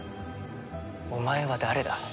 お前は誰だ？